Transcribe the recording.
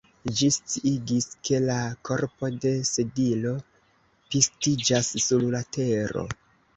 Ĝi sciigis, ke la korpo de Sedilo pistiĝas sur la tero.